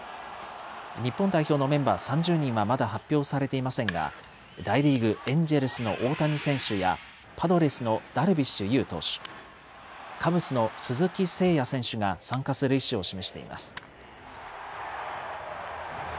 日本代表のメンバー３０人はまだ発表されていませんが、大リーグ・エンジェルスの大谷選手や、パドレスのダルビッシュ有投手、カブスの鈴木誠也選手が参加する意思を示しています。